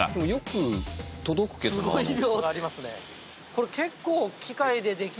これ結構。